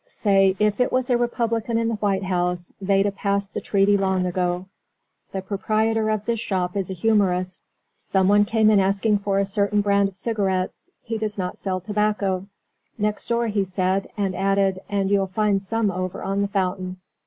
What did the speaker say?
Say if it was a Republican in the White House, theyda passed the treaty long ago." The proprietor of this shop is a humorist. Someone came in asking for a certain brand of cigarettes. He does not sell tobacco. "Next door," he said, and added: "And you'll find some over on the fountain."